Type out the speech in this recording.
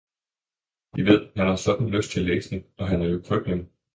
De ved, han har sådan lyst til læsning og er jo krøbling!